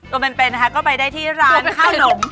เป็นนะคะก็ไปได้ที่ร้านข้าวหนม